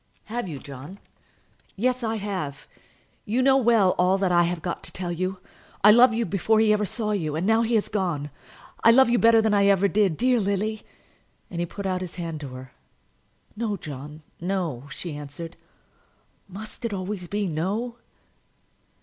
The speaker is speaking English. "Have you, John?" "Yes, I have. You know well all that I have got to tell you. I loved you before he ever saw you; and now that he has gone, I love you better than I ever did. Dear Lily!" and he put out his hand to her. "No, John; no," she answered. "Must it be always no?"